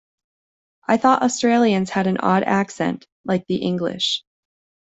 I thought Australians had an odd accent, like the English.